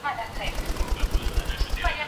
ژړېږه مه د لاسو مات بنگړي دې مه هېروه